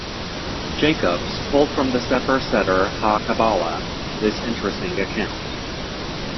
Jacobs, pulled from the "Sefer Seder ha-kabbalah" this interesting account.